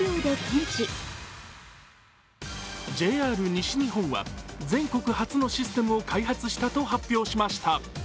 ＪＲ西日本は全国初のシステムを開発したと発表しました。